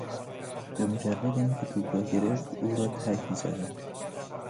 به مجرد اینکه توپ را گرفت او را تکل کردند.